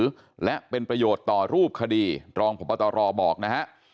เชื่อถือและเป็นประโยชน์ต่อรูปคดีรองประตอรอบอกนะฮะ